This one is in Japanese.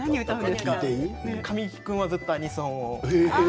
神木君はずっとアニソンを。